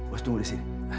bos tunggu disini